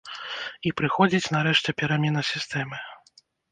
І прыходзіць, нарэшце, перамена сістэмы.